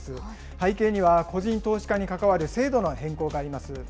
背景には、個人投資家に関わる制度の変更があります。